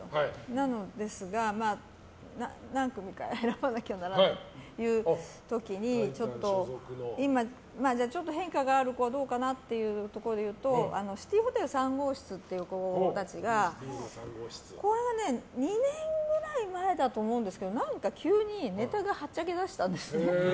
なのですが、何組か選ばなきゃいけないっていう時に変化がある子がどうかなっていうところでいうとシティホテル３号室っていう子たちが２年くらい前だと思うんですけど何か急にネタがはっちゃけだしたんですね。